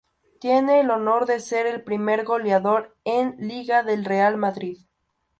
Tiene el honor de ser el primer goleador en Liga del Real Madrid.